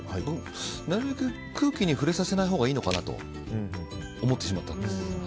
なるべく空気に触れさせないほうがいいのかなと思ってしまったんです。